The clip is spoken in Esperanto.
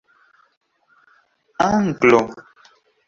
anglo